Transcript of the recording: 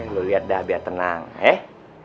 lu lihat dah biar tenang eh